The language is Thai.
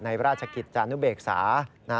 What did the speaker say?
ในราชคิตจานุเบกษานะ